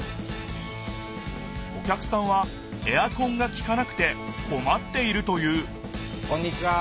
お客さんはエアコンがきかなくてこまっているというこんにちは！